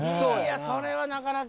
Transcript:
いやそれはなかなか。